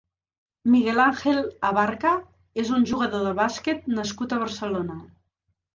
Miguel Ángel Abarca és un jugador de bàsquet nascut a Barcelona.